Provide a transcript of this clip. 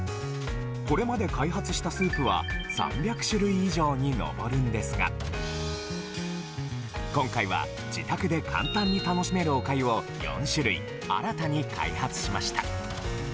これまで開発したスープは３００種類以上に上るんですが今回は自宅で簡単に楽しめるおかゆを４種類新たに開発しました。